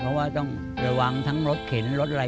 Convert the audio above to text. เมื่อขายทุ่มตำก็มีรายได้อยู่ประมาณวันละ๕๐๐บาท